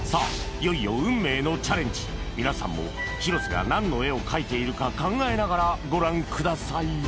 いよいよ皆さんも広瀬が何の絵を描いているか考えながらご覧ください